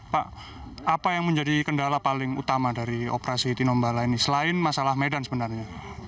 pak apa yang menjadi kendala paling utama dari operasi tinombala ini selain masalah medan sebenarnya